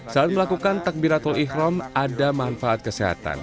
saat melakukan takbiratul ikhram ada manfaat kesehatan